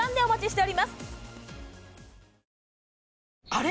あれ？